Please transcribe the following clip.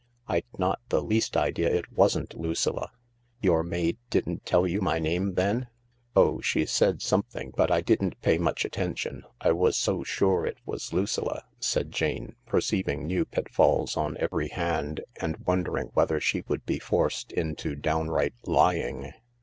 I'd not the least idea it wasn't Lucilla." " Your maid didn't tell you my name then ?"" Oh, she said something, but I didn't pay much atten tion, I was so sure it was Lucilla," said Jane, perceiving new pitfalls on every hand, and wondering whether she would be THE LARK 281 forced into downright lying.